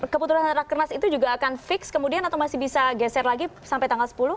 keputusan rakernas itu juga akan fix kemudian atau masih bisa geser lagi sampai tanggal sepuluh